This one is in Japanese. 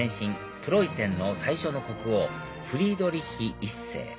プロイセンの最初の国王フリードリッヒ１世